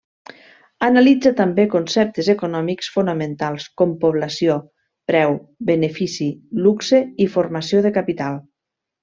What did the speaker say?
Analitza també conceptes econòmics fonamentals com població, preu, benefici, luxe, i formació de capital.